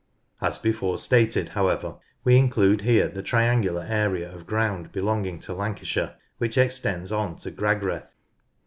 As before stated, however, we include here the triangular area of ground belonging to Lancashire which extends on to Gragreth.